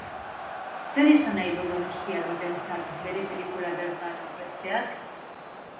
Zer esanahi du donostiar batentzat bere pelikula bertan aurkezteak?